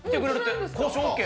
交渉ＯＫ？